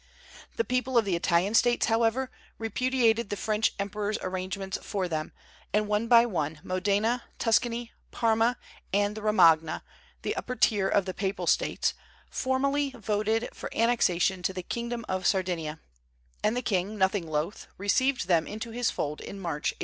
The people of the Italian States, however, repudiated the French emperor's arrangements for them, and one by one Modena, Tuscany, Parma, and the Romagna, the upper tier of the Papal States, formally voted for annexation to the Kingdom of Sardinia; and the king, nothing loath, received them into his fold in March, 1860.